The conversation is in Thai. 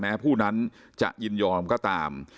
ผู้นั้นจะยินยอมก็ตาม